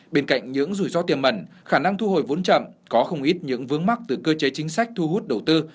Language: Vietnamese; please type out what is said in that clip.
bên cạnh những rủi ro tiềm mẩn khả năng thu hồi vốn chậm có không ít những vướng mắc từ cơ chế chính sách thu hút đầu tư